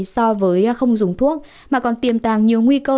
so với không dùng thuốc mà còn tiềm tàng nhiều nguy cơ